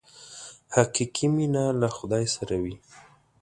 حقیقي مینه له خدای سره وي.